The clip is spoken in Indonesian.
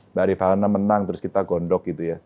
mbak rifana menang terus kita gondok gitu ya